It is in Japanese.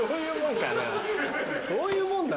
そういうもんかな？